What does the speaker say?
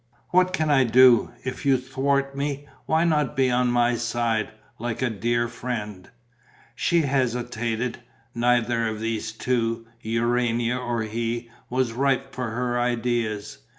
"What can I do, if you thwart me? Why not be on my side, like a dear friend?" She hesitated. Neither of these two, Urania or he, was ripe for her ideas.